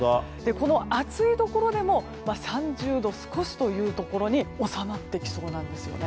この暑いところでも３０度少しまで収まってきそうなんですよね。